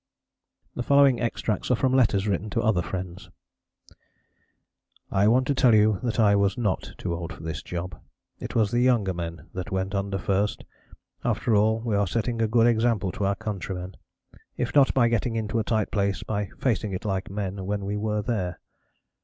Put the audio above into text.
The following extracts are from letters written to other friends: "... I want to tell you that I was not too old for this job. It was the younger men that went under first.... After all we are setting a good example to our countrymen, if not by getting into a tight place, by facing it like men when we were there.